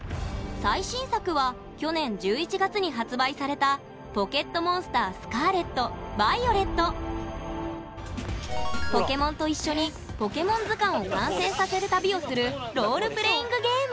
最新作は去年１１月に発売されたポケモンと一緒にポケモン図鑑を完成させる旅をするロールプレイングゲーム